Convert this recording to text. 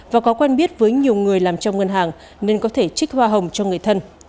và có quen biết với nhiều người làm trong ngân hàng nên có thể trích hoa hồng cho người thân